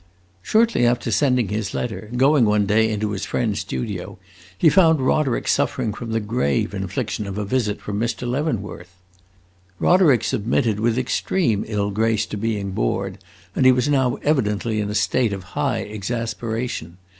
Shortly after sending his letter, going one day into his friend's studio, he found Roderick suffering from the grave infliction of a visit from Mr. Leavenworth. Roderick submitted with extreme ill grace to being bored, and he was now evidently in a state of high exasperation.